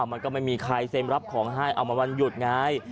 มันก็ไม่มีใครเซ็นรับของให้เอามาวันหยุดไง